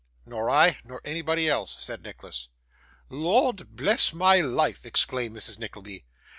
'Nor I, nor anybody else,' said Nicholas. 'Lord bless my life!' exclaimed Mrs. Nickleby.